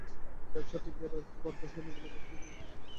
ব্যবসা টিকিয়ে রাখতে বাধ্য হয়েই তাঁরা নতুন বাজার থেকে পণ্য আনছেন।